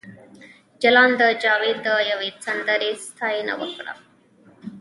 جلان د جاوید د یوې سندرې ستاینه وکړه